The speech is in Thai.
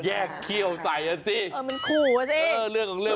แยกเขี้ยวเอาใส่ซิ